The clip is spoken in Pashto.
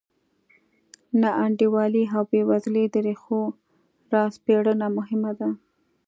ناانډولۍ او بېوزلۍ د ریښو راسپړنه مهمه ده.